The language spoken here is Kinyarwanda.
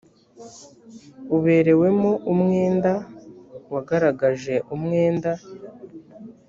uberewemo umwenda wagaragaje umwenda